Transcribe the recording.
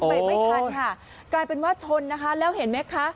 ไปไม่ทันค่ะกลายเป็นว่าชนนะคะแล้วเห็นไหมคะ